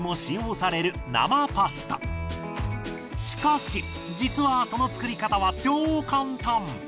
しかし実はその作り方は超簡単。